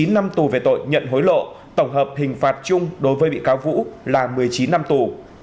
chín năm tù về tội nhận hối lộ tổng hợp hình phạt chung đối với bị cáo vũ là một mươi chín năm tù